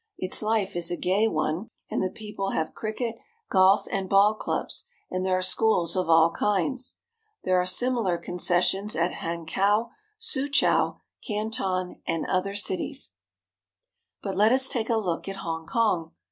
Its life is a gay one, and the people have cricket, golf, and ball clubs, and there are schools of all kinds. There are similar conces sions at Hankau, Suchau, Canton, and at other cities. But let us take a look at Hongkong.